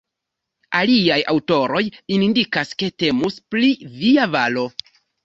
Aliaj aŭtoroj indikas ke temus pri "via valo".